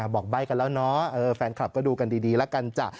บอกใบ้กันแล้วเนาะแฟนคลับก็ดูกันดีแล้วกันจ้ะ